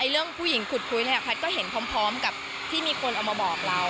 เรื่องผู้หญิงขุดคุยเนี่ยแพทย์ก็เห็นพร้อมกับที่มีคนเอามาบอกเรา